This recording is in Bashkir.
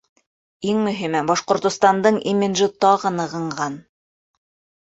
Иң мөһиме — Башҡортостандың имиджы тағы нығынған.